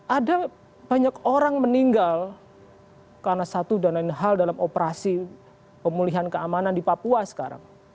ada banyak orang meninggal karena satu dan lain hal dalam operasi pemulihan keamanan di papua sekarang